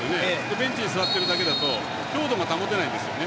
ベンチに座っているだけだと強度が保てないんですね